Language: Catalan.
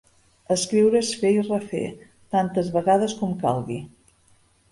Escriure és fer i refer, tantes vegades com calgui.